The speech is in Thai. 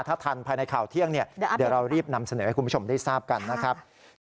ถ้าทันภายในข่าวเที่ยงเดี๋ยวเรารีบนำเสนอให้คุณผู้ชมได้ทราบกันนะครับ